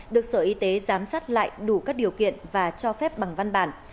được sở y tế giám sát lại đủ các điều kiện và cho phép bằng văn bản